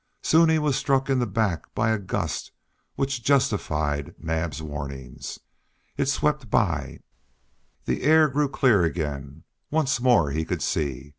Soon he was struck in the back by a gust which justified Naab's warning. It swept by; the air grew clear again; once more he could see.